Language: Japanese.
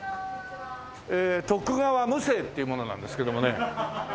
ええ徳川夢声っていう者なんですけどもね。